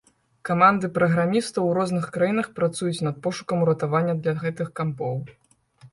Каманды праграмістаў у розных краінах працуюць над пошукам уратавання для гэтых кампоў.